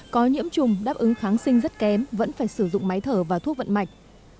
có nhiễm trùng đáp ứng kháng sinh rất kém vẫn phải sử dụng máy thở và thuốc vận mạch